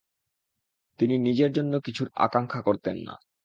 তিনি নিজের জন্য কিছুর আকাঙ্ক্ষা করতেন না।